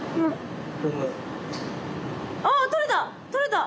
あっ取れた！